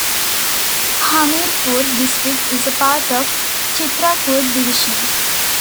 Hamirpur district is a part of Chitrakoot Division.